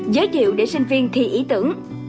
giới thiệu để sinh viên thi ý tưởng